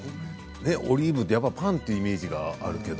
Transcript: オリーブはパンというイメージがあるけど。